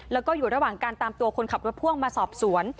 แล้วก็อยู่ระหว่างการตามตัวคนขับรถพ่วงมาสอบสวน